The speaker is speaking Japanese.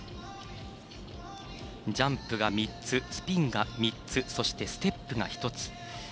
ジャンプが３つスピンが３つそして、ステップが１つ。